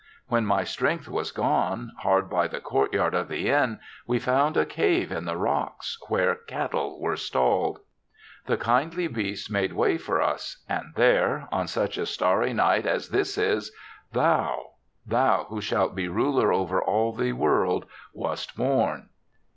When my strength was gone, hard by the courtyard of the inn we found a cave in the rocks, where cat tle were stalled. The kindly beasts made way for us and there, on such a starry night as this is, thou — thou who shalt be ruler over all the world, wast born.